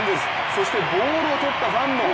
そして、ボールを捕ったファンも。